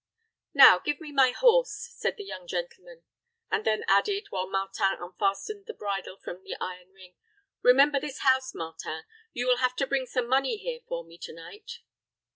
"Now give me my horse," said the young gentleman; and then added, while Martin unfastened the bridle from the iron ring, "Remember this house, Martin; you will have to bring some money here for me to night."